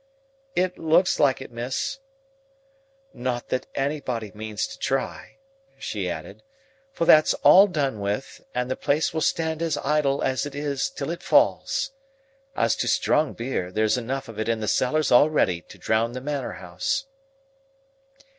"It looks like it, miss." "Not that anybody means to try," she added, "for that's all done with, and the place will stand as idle as it is till it falls. As to strong beer, there's enough of it in the cellars already, to drown the Manor House."